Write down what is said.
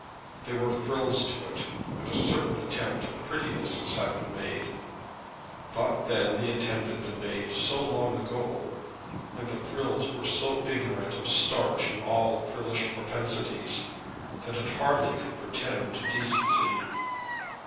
There were frills to it, and a certain attempt at prettinesses had been made; but then the attempt had been made so long ago, and the frills were so ignorant of starch and all frillish propensities, that it hardly could pretend to decency.